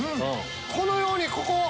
このようにここ。